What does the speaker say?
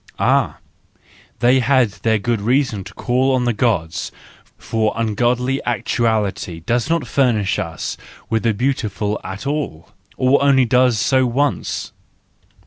Ah, they had their good reason to call on the Gods, for ungodly actuality does not furnish us with the beautiful at all, or only does so once!